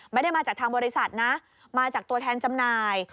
ไม่ได้มาจากทางบริษัทนะมาจากตัวแทนจำหน่าย